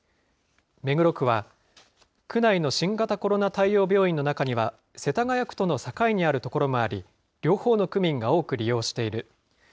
目黒区は、区内の新型コロナ対応病院の中には、世田谷区との境にある所もあり、両方の区民が多く利用している。